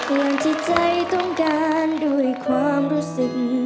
สิ่งที่ใจต้องการด้วยความรู้สึก